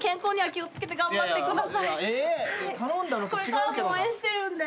これからも応援してるんで。